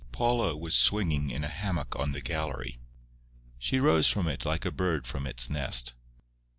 Paula was swinging in a hammock on the gallery. She rose from it like a bird from its nest.